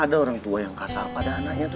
tak ada orang tua yang kasar pada anak itu